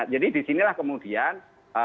jadi disinilah kemudian